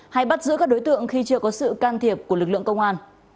hay bắt giữ các đối tượng khi chưa có sự can thiệp của lực lượng công an